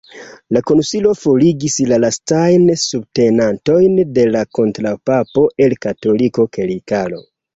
La koncilio forigis la lastajn subtenantojn de la kontraŭpapo el la katolika klerikaro.